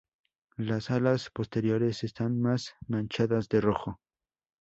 Las alas posteriores están más manchadas de rojo.